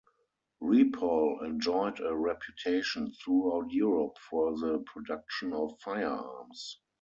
Ripoll enjoyed a reputation throughout Europe for the production of firearms.